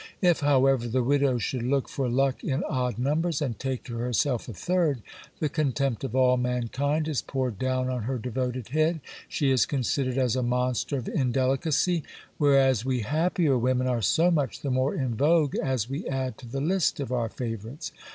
If, however, the widow should look for luck in odd numbers, and take to herself a third, the contempt of all mankind is poured down on her devoted head ; she is considered as a monster of indeli cacy ; whereas we happier women are so much the more in vogue, as we add to the list of our favourites.